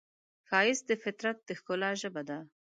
ښایست د فطرت د ښکلا ژبه ده